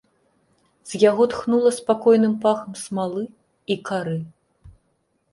З яго тхнула спакойным пахам смалы і кары.